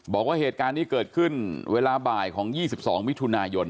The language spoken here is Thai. บอกว่าเหตุการณ์นี้เกิดขึ้นเวลาบ่ายของ๒๒มิถุนายน